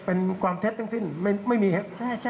เป็นความเท็จทั้งสิ้นไม่มีเท็จ